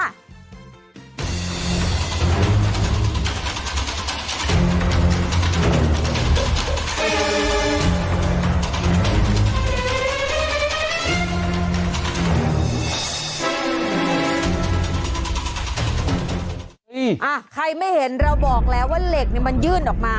อ่ะใครไม่เห็นเราบอกแล้วว่าเหล็กเนี่ยมันยื่นออกมา